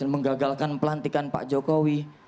menggagalkan pelantikan pak jokowi